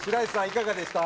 いかがでした？